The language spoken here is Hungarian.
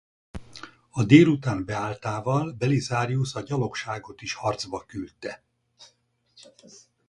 A délután beálltával Belisarius a gyalogságot is harcba küldte.